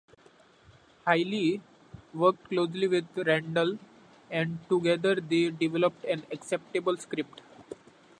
Hailey worked closely with Randall and together they developed an acceptable script.